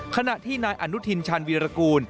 ขณะที่นายอนุทินชาญวีรกูล